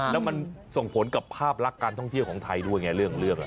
แล้วมันส่งผลกับภาพลักษณ์การท่องเที่ยวของไทยด้วยไงเรื่อง